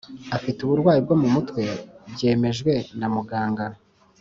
Afite uburwayi bwo mu mutwe byemejwe na muganga